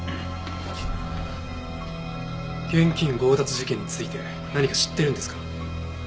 現金強奪事件について何か知ってるんですか？